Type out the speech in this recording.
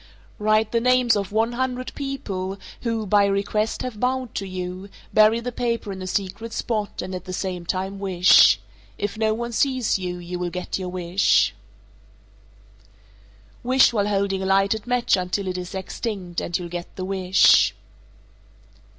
Write the names of one hundred people who (by request) have bowed to you, bury the paper in a secret spot, and at the same time wish. If no one sees you, you will get your wish. 451. Wish while holding a lighted match until it is extinct, and you'll get the wish. 452.